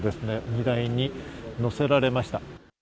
荷台に載せられました。